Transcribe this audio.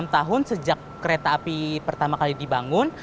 satu ratus lima puluh enam tahun sejak kereta api pertama kali dibangun